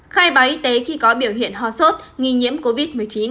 khai báo y tế khi có biểu hiện ho sốt nghi nhiễm covid một mươi chín